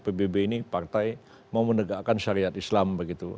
pbb ini partai mau menegakkan syariat islam begitu